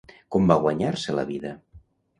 Com va guanyar-se la vida?